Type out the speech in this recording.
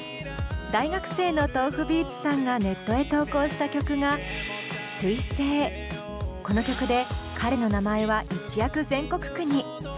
大学生のｔｏｆｕｂｅａｔｓさんがネットへ投稿した曲がこの曲で彼の名前は一躍全国区に。